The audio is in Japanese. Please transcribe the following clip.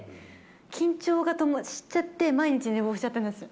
緊張がしちゃって、毎日寝坊しちゃったんです。